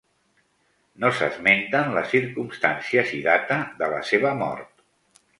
No s'esmenten les circumstàncies i data de la seva mort.